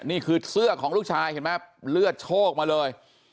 นี่คือเสื้อของลูกชายเห็นไหมเลือดโชคมาเลย